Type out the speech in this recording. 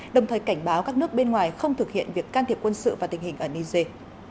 đồng thời cảnh báo các nước bên ngoài không thực hiện việc can thiệp quân sự và tình hình ở niger